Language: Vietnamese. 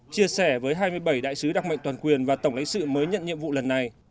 chia sẻ với hai mươi bảy đại sứ đặc mệnh toàn quyền và tổng lãnh sự mới nhận nhiệm vụ lần này